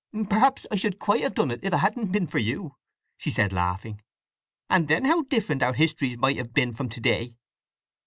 Perhaps I should quite have done it if it hadn't been for you," she said laughing; "and then how different our histories might have been from to day!